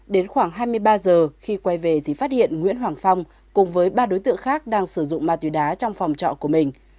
đến khoảng hai mươi ba giờ khi quay về thì phát hiện nguyễn hoàng phong cùng với ba đối tượng khác đang sử dụng ma túy đá trong phòng trọ của mình